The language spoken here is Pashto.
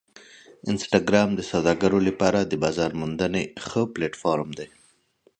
انسټاګرام د سوداګرو لپاره د بازار موندنې ښه پلیټفارم دی.